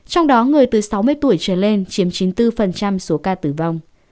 trong đó người từ sáu mươi tuổi trở lên chiếm chín mươi bốn số ca tử vong